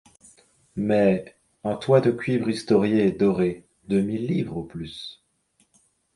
Mais... un toit de cuivre historié et doré, deux mille livres au plus.